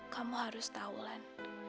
kamu harus tahu alain